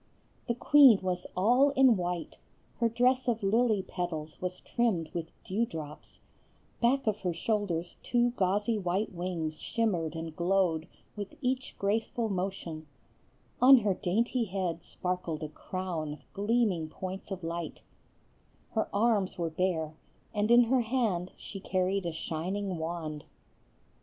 The queen was all in white; her dress of lily petals was trimmed with dewdrops; back of her shoulders two gauzy white wings shimmered and glowed with each graceful motion; on her dainty head sparkled a crown of gleaming points of light; her arms were bare, and in her hand she carried a shining wand.